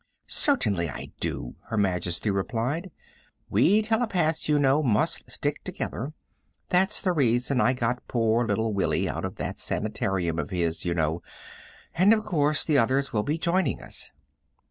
"Certainly I do," Her Majesty replied. "We telepaths, you know, must stick together. That's the reason I got poor little Willie out of that sanitarium of his, you know and, of course, the others will be joining us."